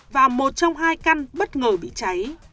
và một trong hai căn bất ngờ bị cháy